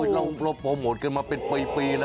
เราโปรโมทกันมาเป็นปีแล้ว